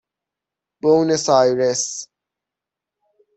بوئنوس آیرس